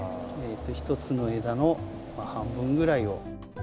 一つの枝の半分ぐらいを。